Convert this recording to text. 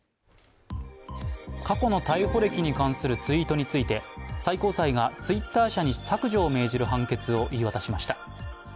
過去の逮捕歴に関するツイートについて最高裁がツイッター社に削除を命じる判決を言い渡しました。